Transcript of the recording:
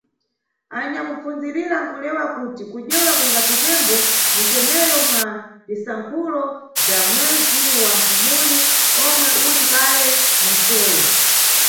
Anyakupfundzirira ankulewa kuti kudyewa kungapitembo muncemero mwa bzwisankhulo bzwa mwezi wa Phumphuli omwe uli kale munsewu.